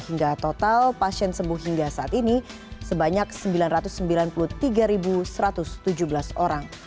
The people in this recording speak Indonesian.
hingga total pasien sembuh hingga saat ini sebanyak sembilan ratus sembilan puluh tiga satu ratus tujuh belas orang